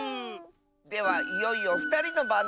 ではいよいよふたりのばんだ。